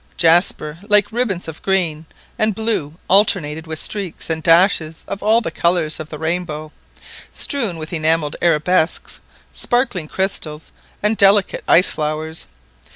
Jasper like ribbons of green and blue alternated with streaks and dashes of all the colours of the rainbow, strewn with enamelled arabesques, sparkling crystals, and delicate ice flowers.